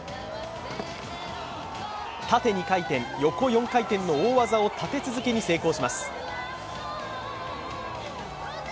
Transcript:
縦２回転、横４回転の大技を立て続けに成功します。